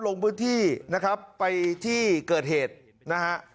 ลงพื้นที่นะครับไปที่เกิดเหตุนะฮะ